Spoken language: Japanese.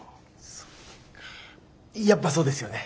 そっかやっぱそうですよね。